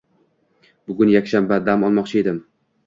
Bugun yakshanba, dam olmoqchi edim.